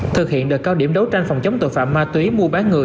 thực hiện đợt cao điểm đấu tranh phòng chống tội phạm ma túy mua bán người